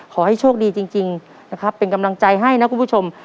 ขอให้โชคดีจริงนะครับเป็นกำลังใจให้นะคุณผู้ชม